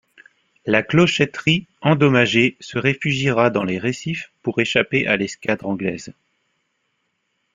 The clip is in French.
La Clocheterrie, endommagé, se réfugiera dans les récifs pour échapper à l’escadre anglaise.